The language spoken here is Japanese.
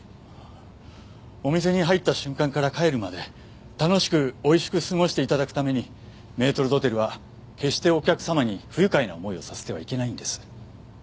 お店に入った瞬間から帰るまで楽しく美味しく過ごして頂くためにメートル・ドテルは決してお客様に不愉快な思いをさせてはいけないんです。